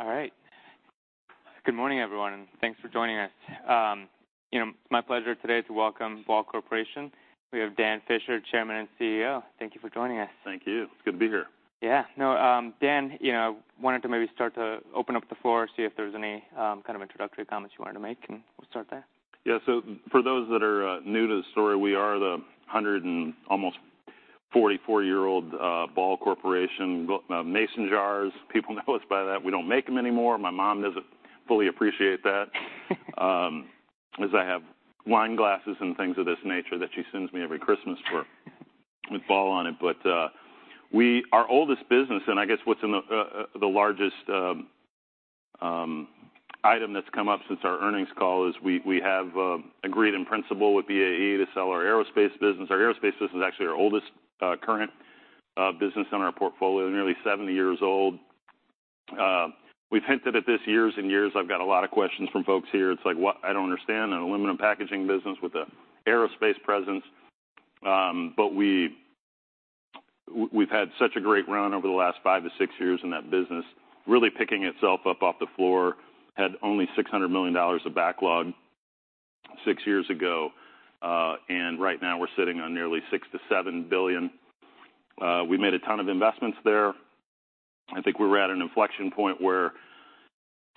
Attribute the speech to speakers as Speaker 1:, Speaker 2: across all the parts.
Speaker 1: All right. Good morning, everyone, and thanks for joining us. You know, it's my pleasure today to welcome Ball Corporation. We have Dan Fisher, Chairman and CEO. Thank you for joining us.
Speaker 2: Thank you. It's good to be here.
Speaker 1: Yeah. No, Dan, you know, wanted to maybe start to open up the floor, see if there's any kind of introductory comments you wanted to make, and we'll start there.
Speaker 2: Yeah. So for those that are new to the story, we are the 100 and almost 44-year-old Ball Corporation. Mason jars, people know us by that. We don't make them anymore. My mom doesn't fully appreciate that. As I have wine glasses and things of this nature that she sends me every Christmas for, with Ball on it. But, our oldest business, and I guess what's in the the largest item that's come up since our earnings call, is we have agreed in principle with BAE to sell our aerospace business. Our aerospace business is actually our oldest current business in our portfolio, nearly 70 years old. We've hinted at this years and years. I've got a lot of questions from folks here. It's like, "What? I don't understand, an aluminum packaging business with an aerospace presence? But we've had such a great run over the last 5-6 years in that business, really picking itself up off the floor, had only $600 million of backlog 6 years ago, and right now we're sitting on nearly $6 billion-$7 billion. We made a ton of investments there. I think we were at an inflection point where,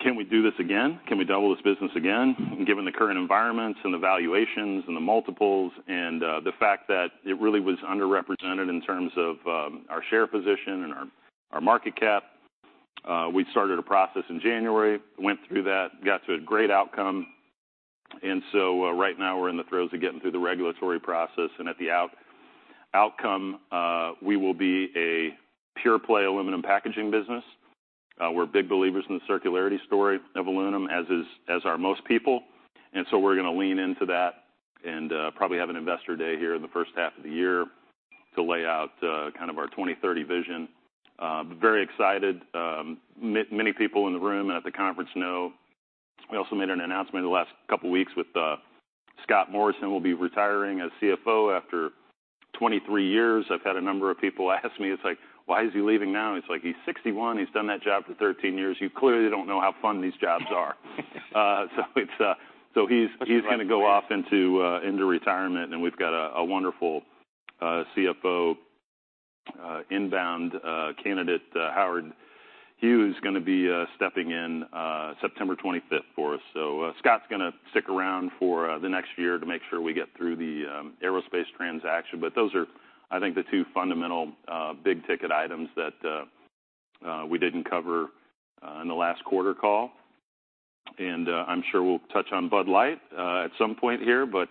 Speaker 2: can we do this again? Can we double this business again? Given the current environments and the valuations and the multiples, and the fact that it really was underrepresented in terms of our share position and our market cap, we started a process in January, went through that, got to a great outcome. Right now we're in the throes of getting through the regulatory process, and at the outcome, we will be a pure play aluminum packaging business. We're big believers in the circularity story of aluminum, as are most people, and so we're gonna lean into that and, probably have an investor day here in the first half of the year to lay out, kind of our 2030 vision. Very excited. Many people in the room and at the conference know, we also made an announcement the last couple of weeks with, Scott Morrison will be retiring as CFO after 23 years. I've had a number of people ask me, it's like: "Why is he leaving now?" It's like, he's 61, he's done that job for 13 years. You clearly don't know how fun these jobs are. So it's, so he's gonna go off into retirement, and we've got a wonderful CFO inbound candidate. Howard Yu is gonna be stepping in September 25th for us. So Scott's gonna stick around for the next year to make sure we get through the aerospace transaction. But those are, I think, the two fundamental big-ticket items that we didn't cover in the last quarter call. And I'm sure we'll touch on Bud Light at some point here, but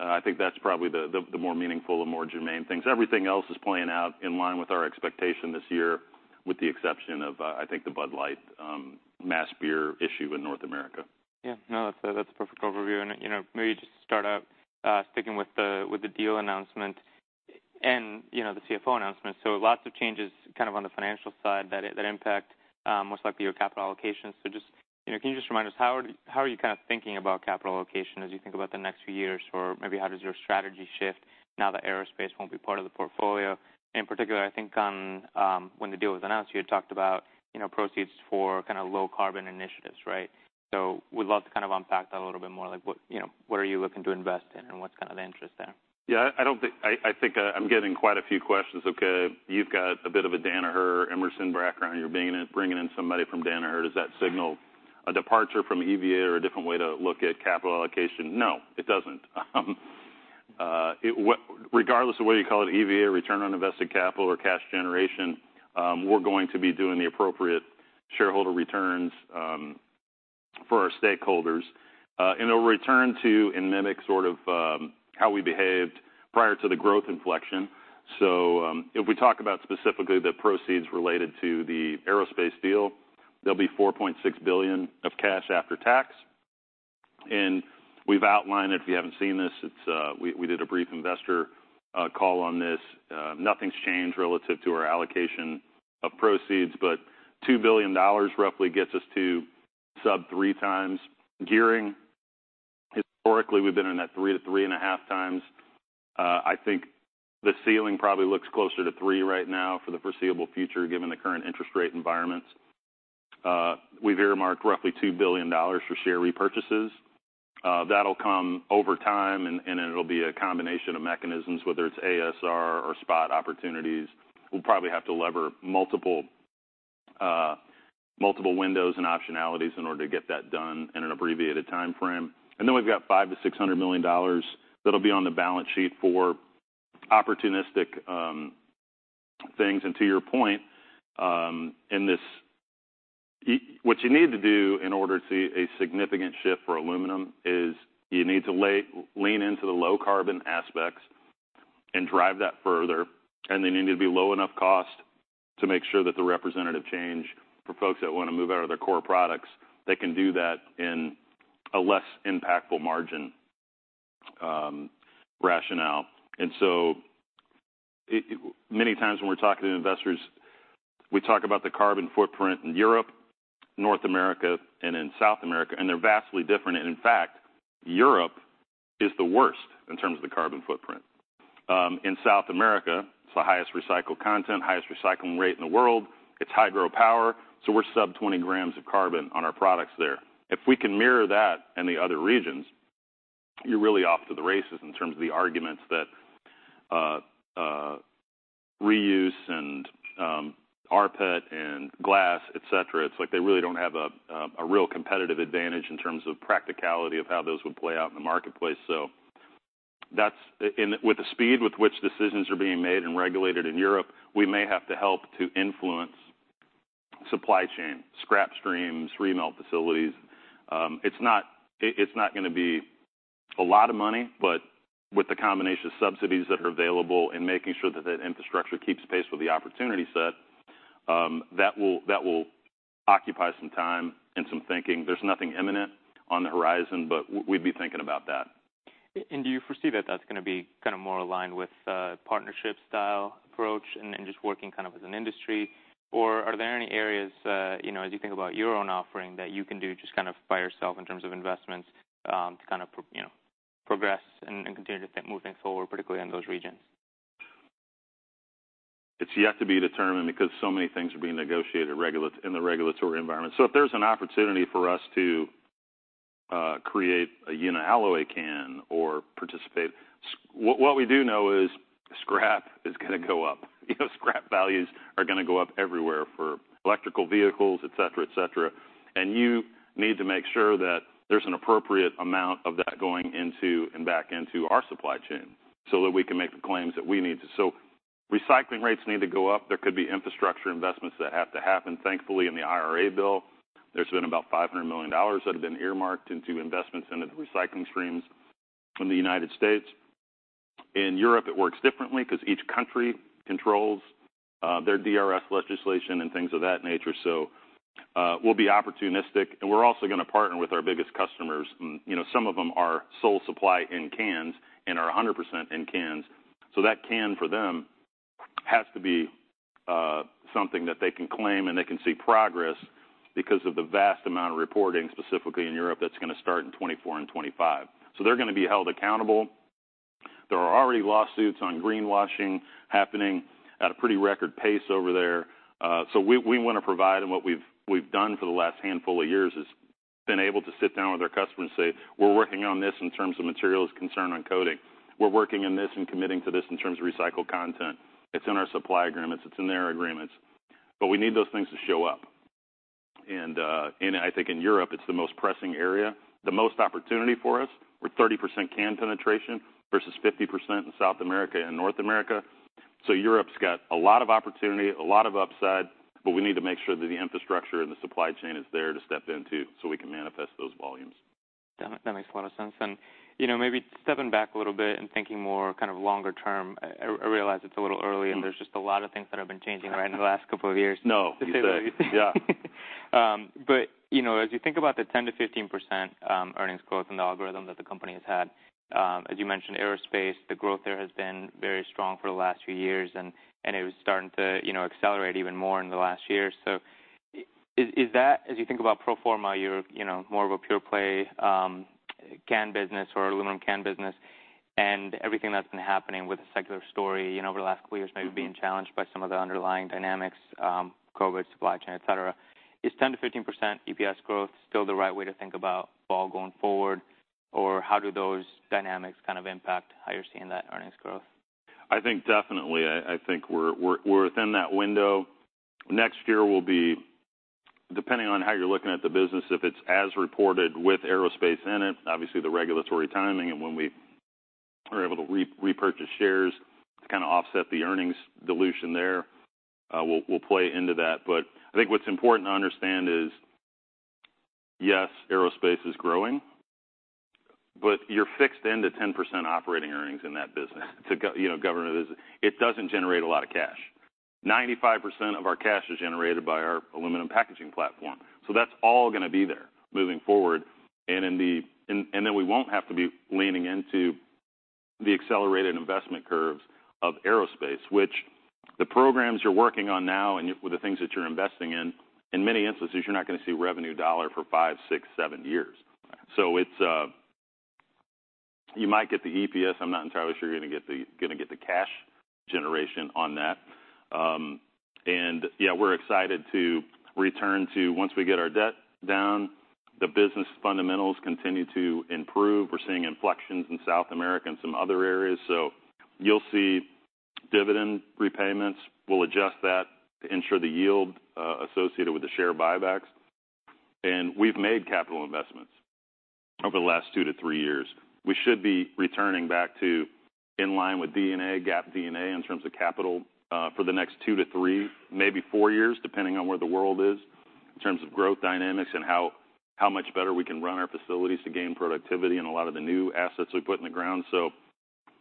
Speaker 2: I think that's probably the more meaningful and more germane things. Everything else is playing out in line with our expectation this year, with the exception of, I think, the Bud Light mass beer issue in North America.
Speaker 1: Yeah. No, that's a, that's a perfect overview. And, you know, maybe just start out, sticking with the, with the deal announcement and, you know, the CFO announcement. So lots of changes kind of on the financial side that, that impact, most likely your capital allocation. So just, you know, can you just remind us, how are, how are you kind of thinking about capital allocation as you think about the next few years? Or maybe how does your strategy shift now that aerospace won't be part of the portfolio? In particular, I think on, when the deal was announced, you had talked about, you know, proceeds for kind of low carbon initiatives, right? So we'd love to kind of unpack that a little bit more, like what, you know, what are you looking to invest in, and what's kind of the interest there?
Speaker 2: Yeah, I think I'm getting quite a few questions. Okay, you've got a bit of a Danaher, Emerson background, you're bringing in somebody from Danaher. Does that signal a departure from EVA or a different way to look at capital allocation? No, it doesn't. Regardless of what you call it, EVA, return on invested capital, or cash generation, we're going to be doing the appropriate shareholder returns for our stakeholders. And it'll return to and mimic sort of how we behaved prior to the growth inflection. So, if we talk about specifically the proceeds related to the aerospace deal, there'll be $4.6 billion of cash after tax. And we've outlined, if you haven't seen this. We did a brief investor call on this. Nothing's changed relative to our allocation of proceeds, but $2 billion roughly gets us to sub-3x gearing. Historically, we've been in that 3x-3.5x. I think the ceiling probably looks closer to 3x right now for the foreseeable future, given the current interest rate environments. We've earmarked roughly $2 billion for share repurchases. That'll come over time, and it'll be a combination of mechanisms, whether it's ASR or spot opportunities. We'll probably have to lever multiple windows and optionalities in order to get that done in an abbreviated timeframe. Then we've got $500 million-$600 million that'll be on the balance sheet for opportunistic things. And to your point, in this, what you need to do in order to see a significant shift for aluminum is you need to lean into the low-carbon aspects and drive that further, and they need to be low enough cost to make sure that the representative change for folks that wanna move out of their core products, they can do that in a less impactful margin, rationale. And so many times when we're talking to investors, we talk about the carbon footprint in Europe, North America, and in South America, and they're vastly different. And in fact, Europe is the worst in terms of the carbon footprint. In South America, it's the highest recycled content, highest recycling rate in the world. It's hydro power, so we're sub 20 grams of carbon on our products there. If we can mirror that in the other regions, you're really off to the races in terms of the arguments that reuse and RPET and glass, et cetera, it's like they really don't have a real competitive advantage in terms of practicality of how those would play out in the marketplace. So that's. With the speed with which decisions are being made and regulated in Europe, we may have to help to influence supply chain, scrap streams, remelt facilities. It's not gonna be a lot of money, but with the combination of subsidies that are available and making sure that that infrastructure keeps pace with the opportunity set, that will occupy some time and some thinking. There's nothing imminent on the horizon, but we'd be thinking about that.
Speaker 1: Do you foresee that that's gonna be kind of more aligned with partnership style approach and just working kind of as an industry? Or are there any areas, you know, as you think about your own offering, that you can do just kind of by yourself in terms of investments, to kind of progress and continue to think moving forward, particularly in those regions?
Speaker 2: It's yet to be determined because so many things are being negotiated in the regulatory environment. So if there's an opportunity for us to, you know, create a, alloy can or participate... What we do know is scrap is gonna go up. You know, scrap values are gonna go up everywhere for electric vehicles, et cetera, et cetera. And you need to make sure that there's an appropriate amount of that going into and back into our supply chain so that we can make the claims that we need to. So recycling rates need to go up. There could be infrastructure investments that have to happen. Thankfully, in the IRA bill, there's been about $500 million that have been earmarked into investments into the recycling streams in the United States. In Europe, it works differently because each country controls their DRS legislation and things of that nature. So, we'll be opportunistic, and we're also gonna partner with our biggest customers. And, you know, some of them are sole supply in cans and are 100% in cans, so that can, for them, has to be something that they can claim, and they can see progress because of the vast amount of reporting, specifically in Europe, that's gonna start in 2024 and 2025. So they're gonna be held accountable. There are already lawsuits on greenwashing happening at a pretty record pace over there. So we wanna provide, and what we've done for the last handful of years is been able to sit down with our customer and say, "We're working on this in terms of materials of concern on coating. We're working on this and committing to this in terms of recycled content." It's in our supply agreements, it's in their agreements, but we need those things to show up. And I think in Europe, it's the most pressing area. The most opportunity for us, we're 30% can penetration versus 50% in South America and North America. So Europe's got a lot of opportunity, a lot of upside, but we need to make sure that the infrastructure and the supply chain is there to step into, so we can manifest those volumes.
Speaker 1: That, that makes a lot of sense. And, you know, maybe stepping back a little bit and thinking more kind of longer term, I, I realize it's a little early, and there's just a lot of things that have been changing, right, in the last couple of years-
Speaker 2: No, you say.
Speaker 1: Yeah. But, you know, as you think about the 10%-15% earnings growth in the algorithm that the company has had, as you mentioned, Aerospace, the growth there has been very strong for the last few years, and it was starting to, you know, accelerate even more in the last year. So is that, as you think about pro forma, you're, you know, more of a pure play, can business or aluminum can business, and everything that's been happening with the secular story, you know, over the last couple years, maybe being challenged by some of the underlying dynamics, COVID, supply chain, et cetera, is 10%-15% EPS growth still the right way to think about Ball going forward? Or how do those dynamics kind of impact how you're seeing that earnings growth?
Speaker 2: I think definitely. I think we're within that window. Next year will be, depending on how you're looking at the business, if it's as reported with aerospace in it, obviously, the regulatory timing and when we are able to repurchase shares to kind of offset the earnings dilution there, will play into that. But I think what's important to understand is, yes, aerospace is growing, but you're fixed into 10% operating earnings in that business. To go, you know, government business, it doesn't generate a lot of cash. 95% of our cash is generated by our aluminum packaging platform, so that's all gonna be there moving forward. And then we won't have to be leaning into the accelerated investment curves of aerospace, which the programs you're working on now and with the things that you're investing in, in many instances, you're not gonna see revenue dollar for five, six, seven years. So it's, you might get the EPS. I'm not entirely sure you're gonna get the cash generation on that. And yeah, we're excited to return to once we get our debt down, the business fundamentals continue to improve. We're seeing inflections in South America and some other areas, so you'll see dividend repayments. We'll adjust that to ensure the yield associated with the share buybacks. And we've made capital investments over the last 2-3 years. We should be returning back to in line with D&A, GAAP D&A, in terms of capital, for the next two-three, maybe four years, depending on where the world is, in terms of growth dynamics and how much better we can run our facilities to gain productivity and a lot of the new assets we put in the ground. So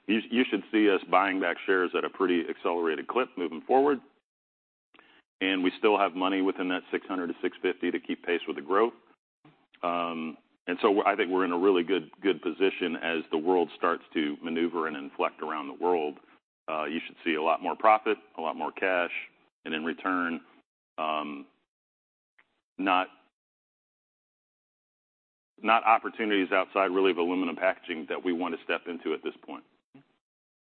Speaker 2: you should see us buying back shares at a pretty accelerated clip moving forward, and we still have money within that $600 million-$650 million to keep pace with the growth. And so I think we're in a really good position as the world starts to maneuver and inflect around the world. You should see a lot more profit, a lot more cash, and in return. not opportunities outside really of aluminum packaging that we want to step into at this point.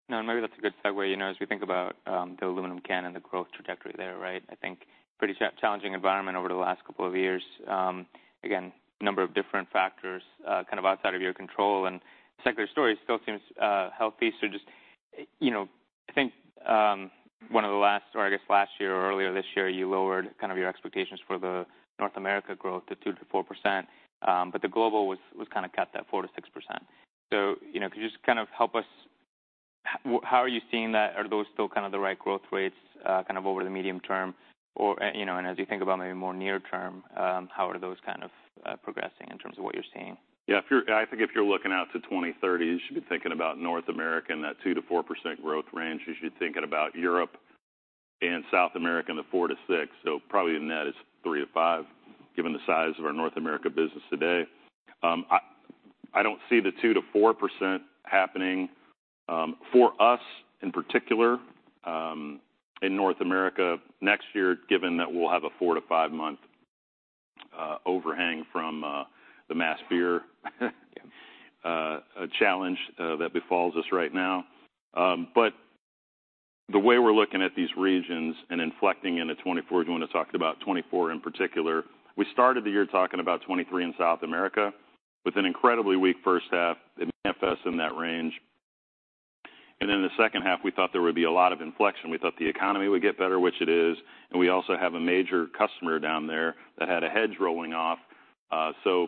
Speaker 1: No, and maybe that's a good segue, you know, as we think about, the aluminum can and the growth trajectory there, right? I think pretty challenging environment over the last couple of years. Again, a number of different factors, kind of outside of your control, and secular story still seems, healthy. So just, you know, I think, one of the last or I guess last year or earlier this year, you lowered kind of your expectations for the North America growth to 2%-4%, but the global was, was kind of cut that 4%-6%. So, you know, could you just kind of help us? How are you seeing that? Are those still kind of the right growth rates, kind of over the medium term? Or, you know, and as you think about maybe more near term, how are those kind of progressing in terms of what you're seeing?
Speaker 2: Yeah, if you're, I think if you're looking out to 2030, you should be thinking about North America in that 2%-4% growth range. You should be thinking about Europe and South America in the 4%-6%. So probably the net is 3%-5%, given the size of our North America business today. I don't see the 2%-4% happening, for us, in particular, in North America next year, given that we'll have a four- to five-month overhang from the mass beer challenge that befalls us right now. But the way we're looking at these regions and inflecting into 2024, if you want to talk about 2024 in particular, we started the year talking about 2023 in South America, with an incredibly weak first half, it manifests in that range. And then in the second half, we thought there would be a lot of inflection. We thought the economy would get better, which it is, and we also have a major customer down there that had a hedge rolling off. So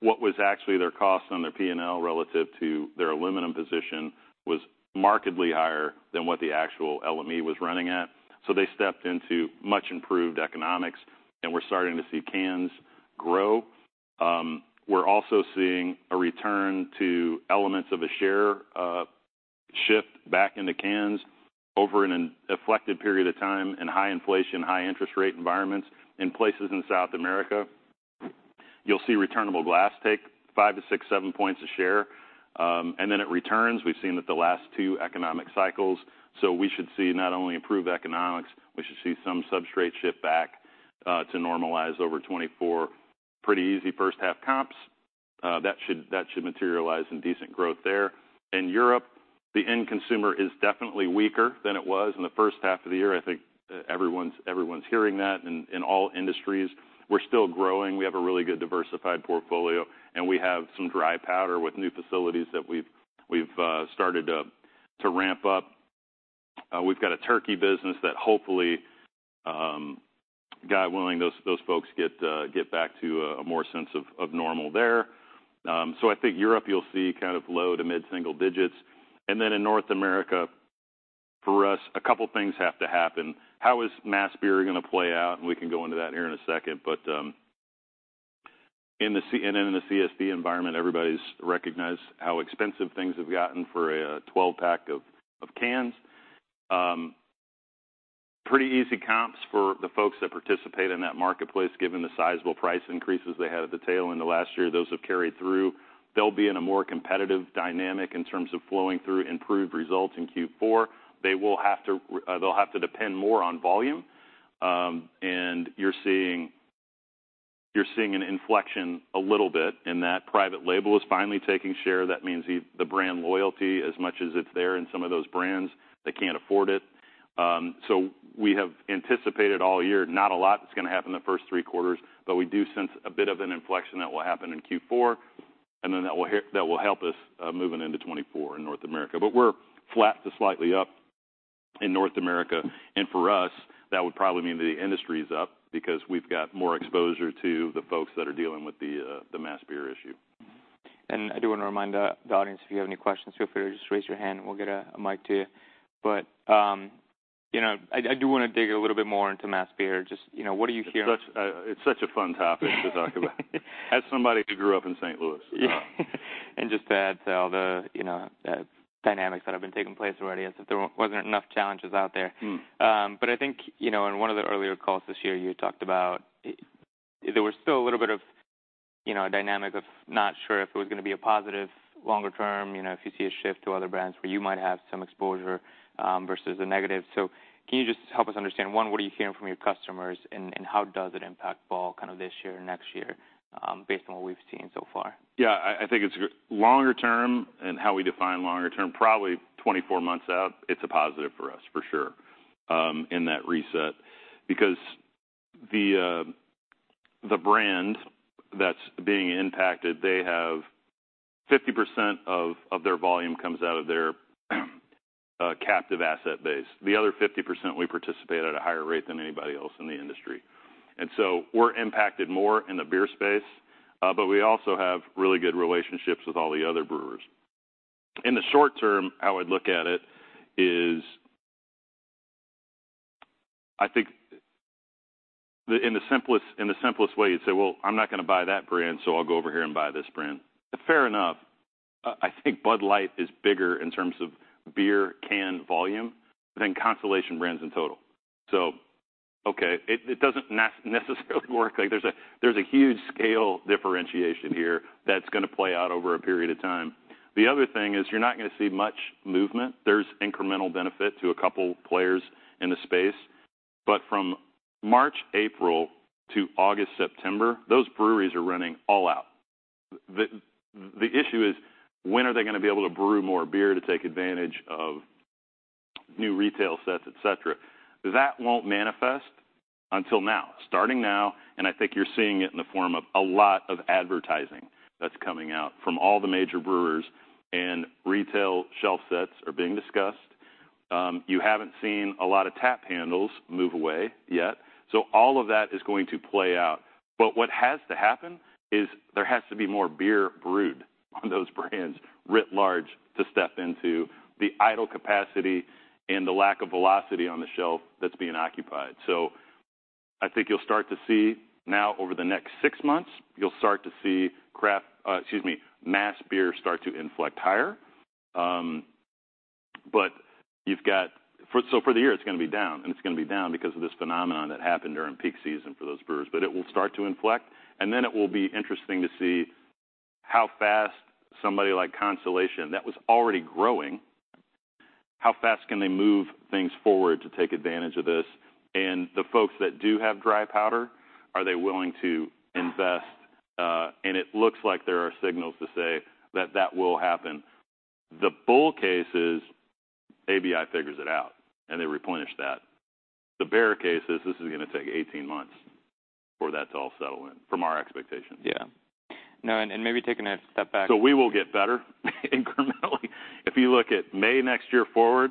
Speaker 2: what was actually their cost on their PNL relative to their aluminum position was markedly higher than what the actual LME was running at. So they stepped into much improved economics, and we're starting to see cans grow. We're also seeing a return to elements of a share shift back into cans over an inflected period of time in high inflation, high interest rate environments in places in South America. You'll see returnable glass take 5 to 6, 7 points of share, and then it returns. We've seen it the last two economic cycles, so we should see not only improved economics, we should see some substrate shift back to normalize over 2024. Pretty easy first half comps that should materialize in decent growth there. In Europe, the end consumer is definitely weaker than it was in the first half of the year. I think everyone's hearing that in all industries. We're still growing. We have a really good diversified portfolio, and we have some dry powder with new facilities that we've started to ramp up. We've got a Turkey business that hopefully, God willing, those folks get back to a more sense of normal there. So I think Europe, you'll see kind of low to mid single digits. Then in North America, for us, a couple things have to happen. How is mass beer gonna play out? And we can go into that here in a second, but in the CSD and in the CSB environment, everybody's recognized how expensive things have gotten for a 12-pack of cans. Pretty easy comps for the folks that participate in that marketplace, given the sizable price increases they had at the tail end of last year. Those have carried through. They'll be in a more competitive dynamic in terms of flowing through improved results in Q4. They will have to depend more on volume, and you're seeing, you're seeing an inflection a little bit in that private label is finally taking share. That means the brand loyalty, as much as it's there in some of those brands, they can't afford it. So we have anticipated all year, not a lot that's gonna happen in the first three quarters, but we do sense a bit of an inflection that will happen in Q4, and then that will help us moving into 2024 in North America. But we're flat to slightly up in North America, and for us, that would probably mean that the industry is up because we've got more exposure to the folks that are dealing with the mass beer issue.
Speaker 1: I do want to remind the audience, if you have any questions, feel free to just raise your hand and we'll get a mic to you. But, you know, I do wanna dig a little bit more into mass beer. Just, you know, what are you hearing?
Speaker 2: It's such a fun topic to talk about, as somebody who grew up in St. Louis.
Speaker 1: And just to add to all the, you know, dynamics that have been taking place already, as if there weren't enough challenges out there. But I think, you know, in one of the earlier calls this year, you talked about it. There was still a little bit of, you know, a dynamic of not sure if it was gonna be a positive longer term, you know, if you see a shift to other brands where you might have some exposure, versus a negative. So can you just help us understand, one, what are you hearing from your customers, and, and how does it impact Ball kind of this year or next year, based on what we've seen so far?
Speaker 2: Yeah, I think it's a good longer term and how we define longer term, probably 24 months out, it's a positive for us for sure in that reset. Because the brand that's being impacted, they have 50% of their volume comes out of their captive asset base. The other 50%, we participate at a higher rate than anybody else in the industry. And so we're impacted more in the beer space, but we also have really good relationships with all the other brewers. In the short term, how I'd look at it is, I think in the simplest way, you'd say, "Well, I'm not gonna buy that brand, so I'll go over here and buy this brand." Fair enough. I think Bud Light is bigger in terms of beer can volume than Constellation Brands in total. So okay, it doesn't necessarily work like there's a huge scale differentiation here that's gonna play out over a period of time. The other thing is you're not gonna see much movement. There's incremental benefit to a couple players in the space, but from March, April to August, September, those breweries are running all out. The issue is: When are they gonna be able to brew more beer to take advantage of new retail sets, et cetera? That won't manifest until now. Starting now, and I think you're seeing it in the form of a lot of advertising that's coming out from all the major brewers, and retail shelf sets are being discussed. You haven't seen a lot of tap handles move away yet, so all of that is going to play out. But what has to happen is there has to be more beer brewed on those brands, writ large, to step into the idle capacity and the lack of velocity on the shelf that's being occupied. So I think you'll start to see now over the next six months, you'll start to see craft, excuse me, mass beer start to inflect higher. But you've got so for the year, it's gonna be down, and it's gonna be down because of this phenomenon that happened during peak season for those brewers. But it will start to inflect, and then it will be interesting to see how fast somebody like Constellation, that was already growing, how fast can they move things forward to take advantage of this? And the folks that do have dry powder, are they willing to invest? It looks like there are signals to say that that will happen. The bull case is ABI figures it out, and they replenish that. The bear case is this is gonna take 18 months for that to all settle in, from our expectations.
Speaker 1: Yeah. Now, and maybe taking a step back.
Speaker 2: So we will get better incrementally. If you look at May next year forward,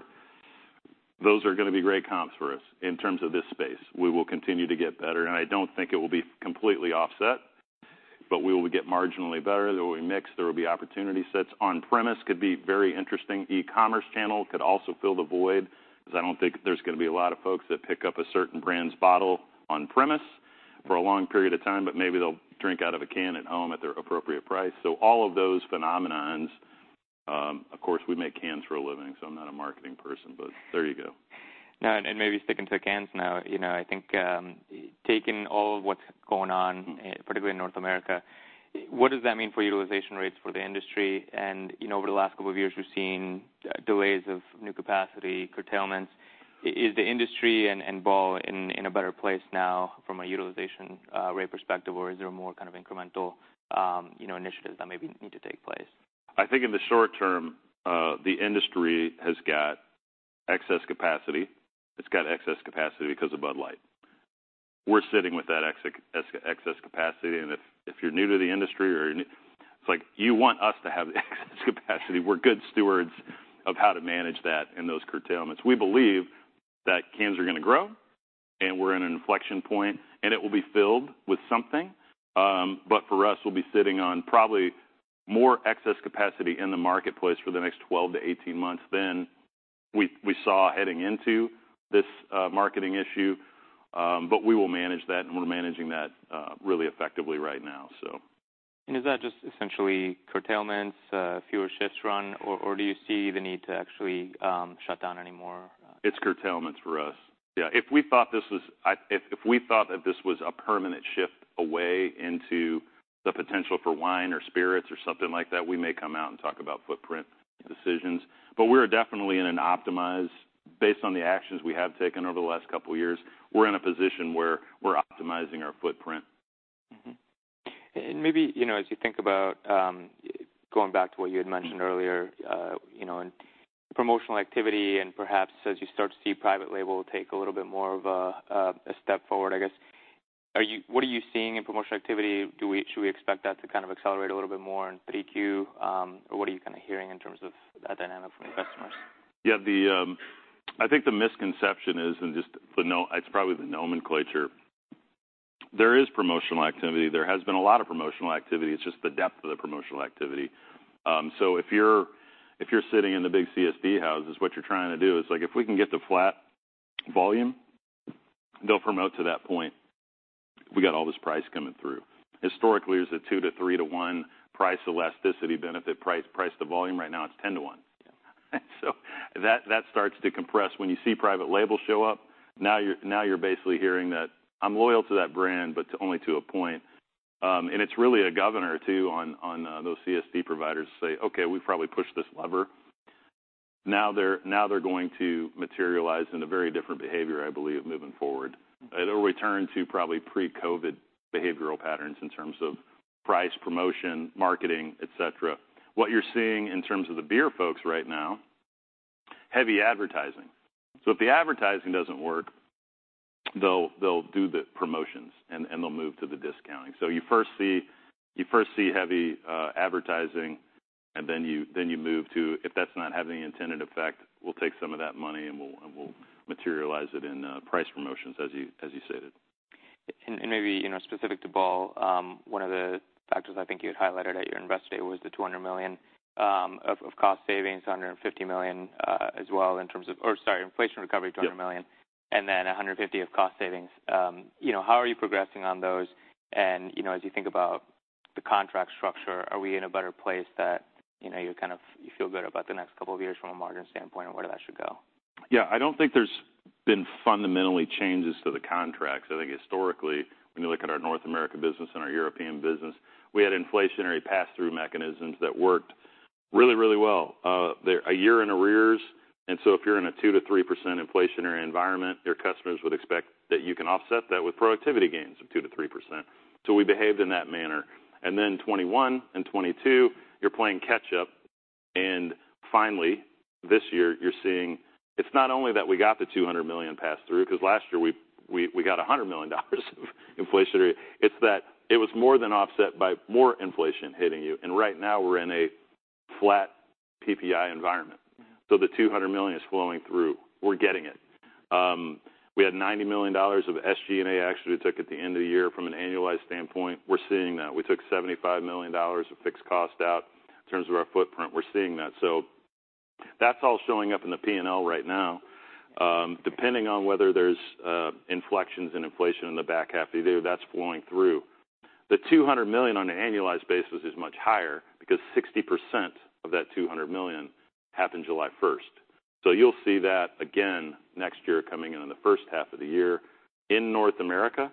Speaker 2: those are gonna be great comps for us in terms of this space. We will continue to get better, and I don't think it will be completely offset, but we will get marginally better. There will be mix. There will be opportunity sets. On-premise could be very interesting. E-commerce channel could also fill the void, 'cause I don't think there's gonna be a lot of folks that pick up a certain brand's bottle on-premise for a long period of time, but maybe they'll drink out of a can at home at the appropriate price. So all of those phenomena. Of course, we make cans for a living, so I'm not a marketing person, but there you go.
Speaker 1: Now, maybe sticking to the cans now, you know, I think, taking all of what's going on, particularly in North America, what does that mean for utilization rates for the industry? And, you know, over the last couple of years, we've seen delays of new capacity, curtailments. Is the industry and Ball in a better place now from a utilization rate perspective, or is there more kind of incremental, you know, initiatives that maybe need to take place?
Speaker 2: I think in the short term, the industry has got excess capacity. It's got excess capacity because of Bud Light. We're sitting with that excess capacity, and if you're new to the industry or you. It's like, you want us to have excess capacity. We're good stewards of how to manage that and those curtailments. We believe that cans are gonna grow, and we're in an inflection point, and it will be filled with something. But for us, we'll be sitting on probably more excess capacity in the marketplace for the next 12-18 months than we saw heading into this marketing issue. But we will manage that, and we're managing that really effectively right now, so.
Speaker 1: Is that just essentially curtailments, fewer shifts run, or do you see the need to actually shut down anymore?
Speaker 2: It's curtailments for us. Yeah, if we thought this was, if we thought that this was a permanent shift away into the potential for wine or spirits or something like that, we may come out and talk about footprint decisions. But we're definitely in an optimized based on the actions we have taken over the last couple of years, we're in a position where we're optimizing our footprint.
Speaker 1: Mm-hmm. And maybe, you know, as you think about, going back to what you had mentioned earlier, you know, and promotional activity and perhaps as you start to see private label take a little bit more of a step forward, I guess, are you what are you seeing in promotional activity? Do we should we expect that to kind of accelerate a little bit more in 3Q, or what are you kind of hearing in terms of that dynamic from your customers?
Speaker 2: Yeah, the I think the misconception is, and just it's probably the nomenclature. There is promotional activity. There has been a lot of promotional activity. It's just the depth of the promotional activity. So if you're, if you're sitting in the big CSD houses, what you're trying to do is, like, if we can get to flat volume, they'll promote to that point. We got all this price coming through. Historically, there's a 2-to-3-to-1 price elasticity benefit, price, price to volume. Right now, it's 10-to-1. So that, that starts to compress. When you see private labels show up, now you're, now you're basically hearing that I'm loyal to that brand, but only to a point. And it's really a governor, too, on those CSD providers to say, "Okay, we've probably pushed this lever." Now they're, now they're going to materialize in a very different behavior, I believe, moving forward. It'll return to probably pre-COVID behavioral patterns in terms of price, promotion, marketing, et cetera. What you're seeing in terms of the beer folks right now, heavy advertising. So if the advertising doesn't work, they'll, they'll do the promotions, and, and they'll move to the discounting. So you first see, you first see heavy advertising, and then you, then you move to, "If that's not having the intended effect, we'll take some of that money, and we'll, and we'll materialize it in price promotions," as you, as you stated.
Speaker 1: Maybe, you know, specific to Ball, one of the factors I think you had highlighted at your Investor Day was the $200 million of cost savings, $150 million as well, in terms of or sorry, inflation recovery, $200 million and then $150 of cost savings. You know, how are you progressing on those? And, you know, as you think about the contract structure, are we in a better place that, you know, you kind of, you feel good about the next couple of years from a margin standpoint and where that should go?
Speaker 2: Yeah, I don't think there's been fundamentally changes to the contracts. I think historically, when you look at our North America business and our European business, we had inflationary pass-through mechanisms that worked really, really well. They're a year in arrears, and so if you're in a 2%-3% inflationary environment, your customers would expect that you can offset that with productivity gains of 2%-3%. So we behaved in that manner. And then 2021 and 2022, you're playing catch up, and finally, this year you're seeing it's not only that we got the $200 million pass-through, 'cause last year we got $100 million of inflationary, it's that it was more than offset by more inflation hitting you. And right now we're in a flat PPI environment. So the $200 million is flowing through. We're getting it. We had $90 million of SG&A action we took at the end of the year from an annualized standpoint. We're seeing that. We took $75 million of fixed cost out in terms of our footprint. We're seeing that. So that's all showing up in the P&L right now. Depending on whether there's inflections in inflation in the back half of the year, that's flowing through. The $200 million on an annualized basis is much higher because 60% of that $200 million happened 1 July. So you'll see that again next year, coming in on the first half of the year in North America.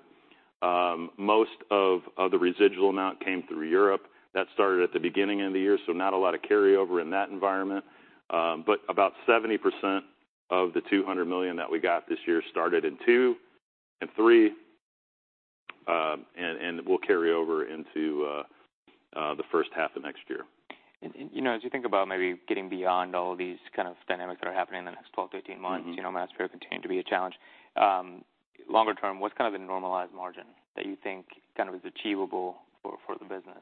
Speaker 2: Most of the residual amount came through Europe. That started at the beginning of the year, so not a lot of carryover in that environment. But about 70% of the $200 million that we got this year started in two and three and will carry over into the first half of next year.
Speaker 1: You know, as you think about maybe getting beyond all of these kind of dynamics that are happening in the next 12-18 months you know, mass premium continuing to be a challenge, longer term, what's kind of a normalized margin that you think kind of is achievable for, for the business,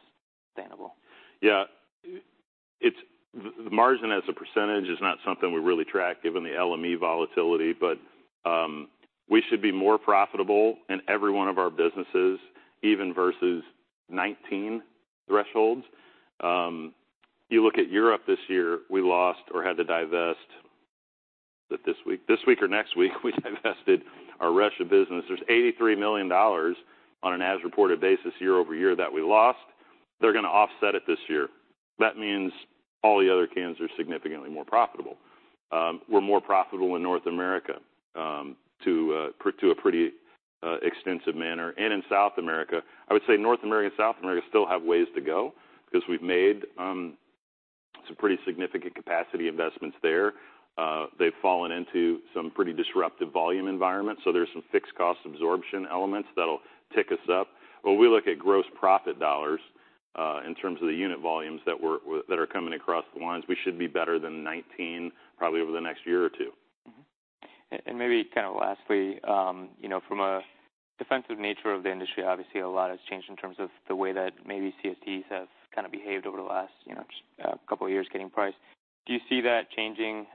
Speaker 1: sustainable?
Speaker 2: Yeah. It's the margin as a percentage is not something we really track given the LME volatility, but we should be more profitable in every one of our businesses, even versus 2019 thresholds. You look at Europe this year, we lost or had to divest, was it this week? This week or next week, we divested our Russia business. There's $83 million on an as-reported basis, year-over-year, that we lost. They're gonna offset it this year. That means all the other cans are significantly more profitable. We're more profitable in North America, to a pretty extensive manner, and in South America. I would say North America and South America still have ways to go because we've made some pretty significant capacity investments there. They've fallen into some pretty disruptive volume environments, so there's some fixed cost absorption elements that'll tick us up. When we look at gross profit dollars, in terms of the unit volumes that are coming across the lines, we should be better than 2019, probably over the next year or two.
Speaker 1: Mm-hmm. And maybe kind of lastly, you know, from a defensive nature of the industry, obviously, a lot has changed in terms of the way that maybe CSDs have kind of behaved over the last, you know, couple of years, getting priced. Do you see that changing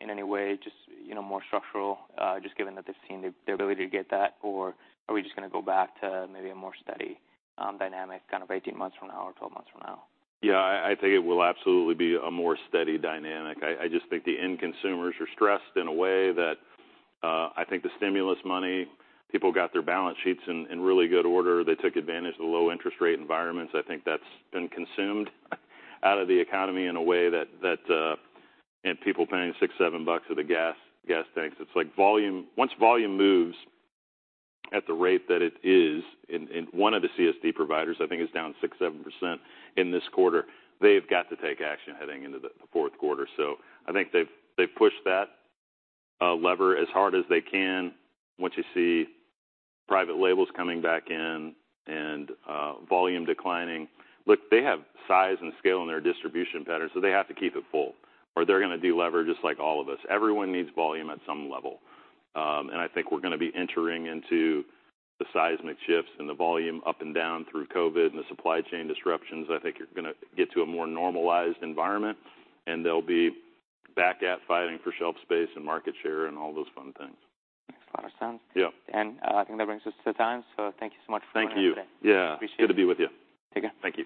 Speaker 1: in any way, just, you know, more structural, just given that they've seen the ability to get that? Or are we just gonna go back to maybe a more steady dynamic, kind of 18 months from now or 12 months from now?
Speaker 2: Yeah, I think it will absolutely be a more steady dynamic. I just think the end consumers are stressed in a way that, I think the stimulus money, people got their balance sheets in really good order. They took advantage of the low interest rate environments. I think that's been consumed out of the economy in a way that-- and people paying $6-$7 at the gas tanks. It's like volume, once volume moves at the rate that it is, in. One of the CSD providers, I think, is down 6%-7% in this quarter. They've got to take action heading into the fourth quarter. So I think they've pushed that lever as hard as they can. Once you see private labels coming back in and volume declining, look, they have size and scale in their distribution pattern, so they have to keep it full, or they're gonna de-lever just like all of us. Everyone needs volume at some level. And I think we're gonna be entering into the seismic shifts and the volume up and down through COVID and the supply chain disruptions. I think you're gonna get to a more normalized environment, and they'll be back at fighting for shelf space and market share and all those fun things.
Speaker 1: Makes a lot of sense.
Speaker 2: Yeah.
Speaker 1: I think that brings us to time, so thank you so much for joining today.
Speaker 2: Thank you. Yeah. Appreciate it. Good to be with you.
Speaker 1: Take care.
Speaker 2: Thank you.